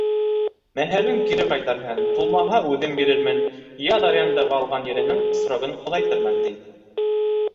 Мәһәрен кире ҡайтарһын, тулмаһа, үҙем бирермен, яҙ арендаға алған еренең срогын оҙайтырмын, ти.